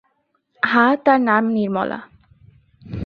হাঁ, তাঁর নাম নির্মলা।